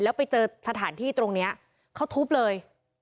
แล้วไปเจอสถานที่ตรงนี้เขาทุบเลย